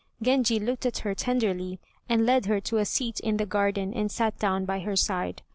Genji looked at her tenderly, and led her to a seat in the garden, and sat down by her side.